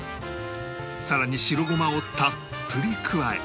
さらに白ゴマをたっぷり加え